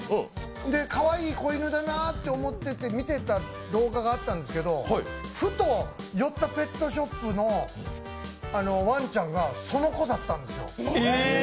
かわいい子犬だなって思って見てた動画があったんですけどふと寄ったペットショップのワンちゃんがその子だったんですよ。